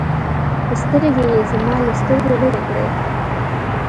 سترگې يې زما له سترگو لرې کړې.